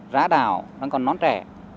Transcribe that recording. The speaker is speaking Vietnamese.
giá đảo đang còn nón trẻ